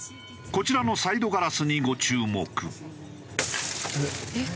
こちらのサイドガラスにご注目。